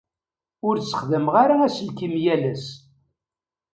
Ur ssexdameɣ ara aselkim yal ass.